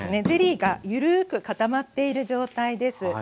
ゼリーがゆるく固まっている状態です。